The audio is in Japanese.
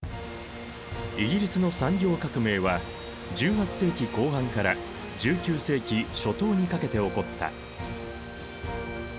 イギリスの産業革命は１８世紀後半から１９世紀初頭にかけて起こった。